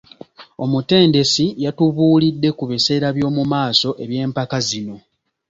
Omutendesi yatubuulidde ku biseera by'omu maaso eby'empaka zino.